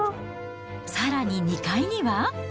さらに２階には。